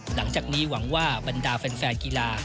หลังจากนี้หวังว่าบรรดาแฟนกีฬา